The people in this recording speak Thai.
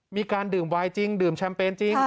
มีการดื่มวายจริงดื่มแชมเปญจริง